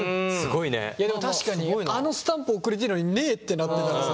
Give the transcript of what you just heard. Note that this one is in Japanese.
いやでも確かにあのスタンプ送りてえのに無えってなってたらさ。